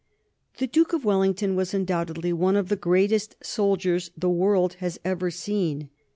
The Duke of Wellington was undoubtedly one of the greatest soldiers the world has ever seen.